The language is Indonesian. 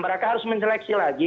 mereka harus menyeleksi lagi